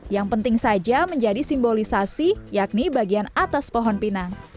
yang penting saja menjadi simbolisasi yakni bagian atas pohon pinang